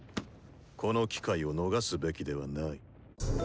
この機会を逃すべきではない。